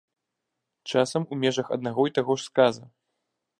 Часам у межах аднаго і таго ж сказа.